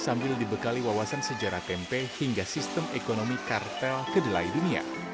sambil dibekali wawasan sejarah tempe hingga sistem ekonomi kartel kedelai dunia